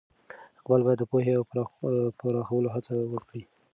اقبال باید د پوهې د پراخولو هڅه وکړي.